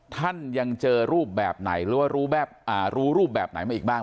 ท่านยังเจอรูปแบบไหนหรือว่ารู้รูปแบบไหนมาอีกบ้าง